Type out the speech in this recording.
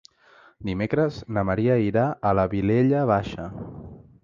Dimecres na Maria irà a la Vilella Baixa.